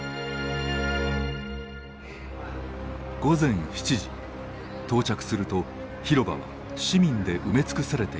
午前７時到着すると広場は市民で埋め尽くされていました。